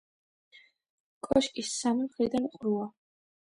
კოშკი სამი მხრიდან ყრუა.